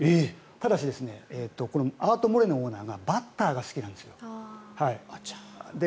ただしアルテ・モレノオーナーがバッターが好きなんですよ。